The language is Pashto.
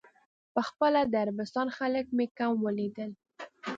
په خپله د عربستان خلک مې کم ولیدل.